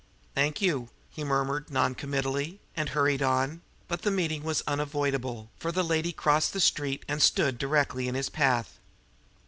"Thank you," he murmured non committally, and hurried on; but the meeting was unavoidable, for the lady crossed the street and stood directly in his path.